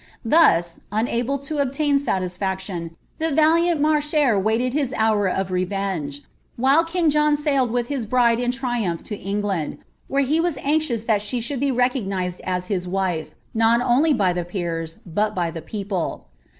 Thus, unable to obtain satisfaction, the valiant Marcher nited his hour of revenge ; while king John sailed with his bride in Hiomph to Elngland, where he was anxious that she should be recognised 11 his wife, not oidy by the peers, but by the people.